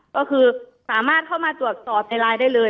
ก็คือสามารถเข้ามาตรวจสอบในไลน์ได้เลย